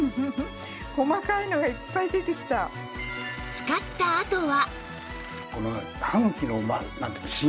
使ったあとは